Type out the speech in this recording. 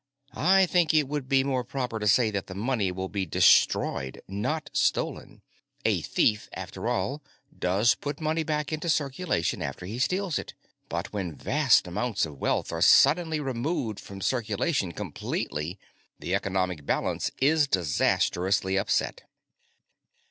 I think it would be more proper to say that the money will be destroyed, not stolen. A thief, after all, does put money back into circulation after he steals it. But when vast amounts of wealth are suddenly removed from circulation completely, the economic balance is disastrously upset."